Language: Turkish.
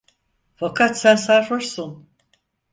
Fakat sen sarhoşsun!